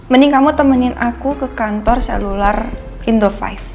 mending kamu temenin aku ke kantor selular indo lima